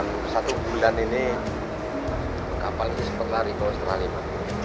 jadi satu bulan ini kapalnya sempat lari ke australia